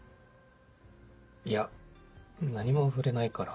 いや何も触れないから。